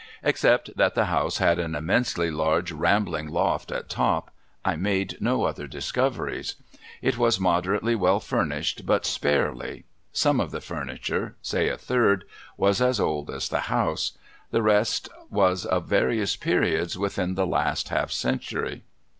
Except that the house had an immensely large rambling loft at top, I made no other discoveries. It was moderately well furnished, but sparely. Some of the furniture — say, a third — was as old as the house ; the rest was of various periods within the last half century.